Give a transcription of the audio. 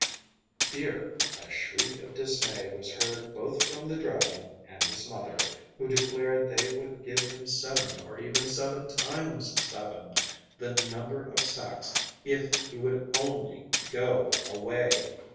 Here a shriek of dismay was heard both from the dragon and his mother, who declared they would give him seven or even seven times seven the number of sacks if he would only go away.